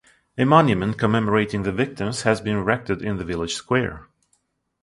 A monument commemorating the victims has been erected in the village square.